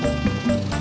sampai jumpa lagi